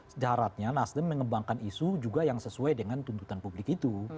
sejaratnya nasdem mengembangkan isu juga yang sesuai dengan tuntutan publik itu